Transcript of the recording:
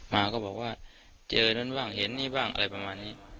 มาก็บอกว่าเจอนั้นบ้างเห็นนี่บ้างอะไรประมาณนี้